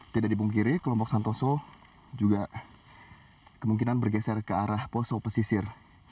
tidak dipungkiri kelompok santoso juga kemungkinan bergeser ke arah poso pesisir